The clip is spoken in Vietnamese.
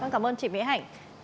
cảm ơn chị mỹ hạnh